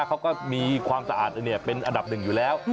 เขาก็มีความสะอาดเป็นอันดับหนึ่งอยู่แล้ว